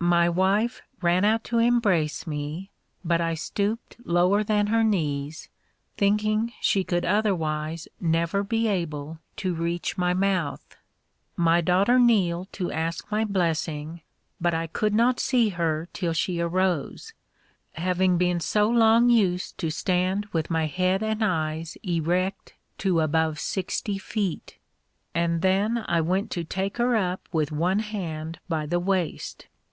My wife ran out to embrace me, but I stooped lower than her knees, thinking she could otherwise never be able to reach my mouth. My daughter kneeled to ask my blessing, but I could not see her till she arose, having been so long used to stand with my head and eyes erect to above sixty feet; and then I went to take her up with one hand by the waist.